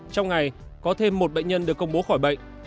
trong ngày có thêm một bệnh nhân được công bố khỏi bệnh